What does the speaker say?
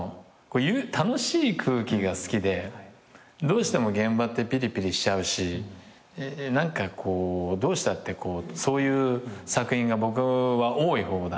楽しい空気が好きでどうしても現場ってピリピリしちゃうしどうしたってそういう作品が僕は多い方だったんでね。